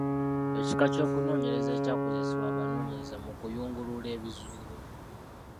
Ekika ky’okunoonyereza ekyakozesebwa abanoonyereza mu kuyungulula ebizuulo.